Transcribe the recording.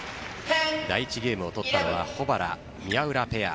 第１ゲームを取ったのは保原・宮浦ペア。